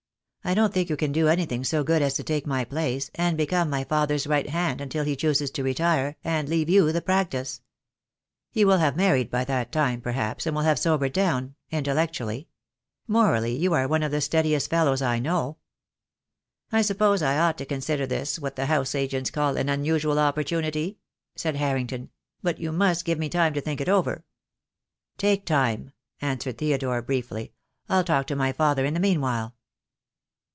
I don't think you can do anything so good as to take my place, and become my father's right hand until he chooses to retire, and leave you the practice. You will have married by that time, perhaps, and will have sobered down — intellectually. Morally you are one of the steadiest fellows I know." "I suppose I ought to consider this what the house agents call an unusual opportunity?" said Harrington; "but you must give me time to think it over." "Take time," answered Theodore, briefly. "I'll talk to my father in the meanwhile."